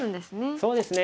そうですね。